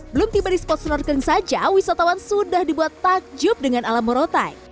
belum tiba di spot snorkeling saja wisatawan sudah dibuat takjub dengan alam morotai